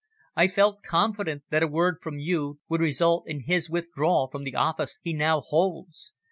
"I felt confident that a word from you would result in his withdrawal from the office he now holds.